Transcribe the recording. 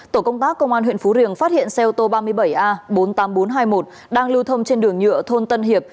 tổ công tác công an huyện phú riềng phát hiện xe ô tô ba mươi bảy a bốn mươi tám nghìn bốn trăm hai mươi một đang lưu thông trên đường nhựa thôn tân hiệp